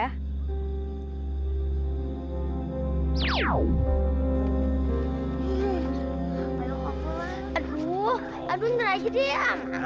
aduh aduh ngeri aja dia